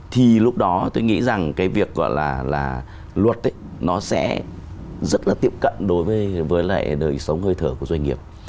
thì lúc đó tôi nghĩ rằng cái việc gọi là luật nó sẽ rất là tiệm cận với đời sống hơi thở của doanh nghiệp